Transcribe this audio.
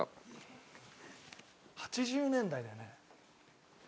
８０年代だよね。